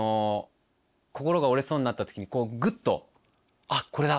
心が折れそうになった時にこうグッとあっこれだ。